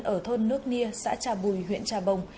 ở thôn nước nia xã trà bùi huyện trà bồng